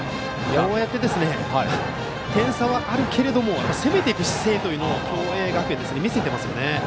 こうやって点差はあるけれど攻めていく姿勢を共栄学園は見せていますよね。